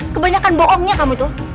kebanyakan bohongnya kamu tuh